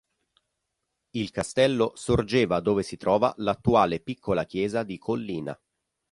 Il castello sorgeva dove si trova l'attuale piccola chiesa di Collina.